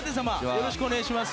よろしくお願いします。